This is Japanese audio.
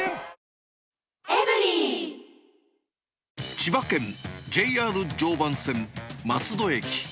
千葉県、ＪＲ常磐線松戸駅。